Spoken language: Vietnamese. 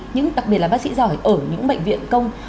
nhưng đặc biệt là bác sĩ giỏi ở những bệnh viện công